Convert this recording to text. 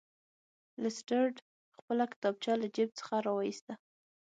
لیسټرډ خپله کتابچه له جیب څخه راویسته.